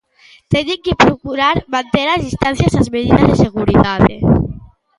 Teñen que procurar manter as distancias e as medidas de seguridade.